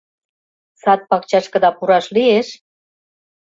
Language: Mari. Сад-пакчашкыда пураш лиеш?